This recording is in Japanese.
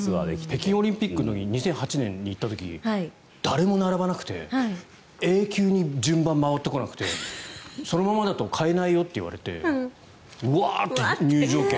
北京オリンピック２００８年の時に行った時誰も並ばなくて永久に順番が回ってこなくてそのままだと買えないよって言われてうわあって入場券